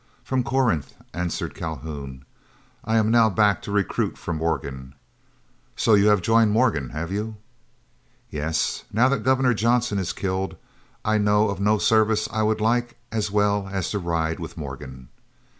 "From Corinth," answered Calhoun. "I am now back to recruit for Morgan." "So you have joined Morgan, have you?" "Yes. Now that Governor Johnson is killed, I know of no service I would like as well as to ride with Morgan."